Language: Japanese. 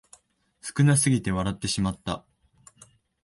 少なすぎて笑ってしまった